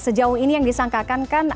sejauh ini yang disangkakan kan